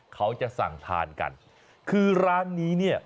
เขาจะสั่งทานกันคือร้านนี้เนี่ย